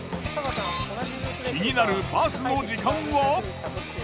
気になるバスの時間は？